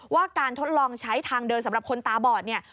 ว่าการทดลองใช้ทางเดินสำหรับคนตาบอดเนี่ย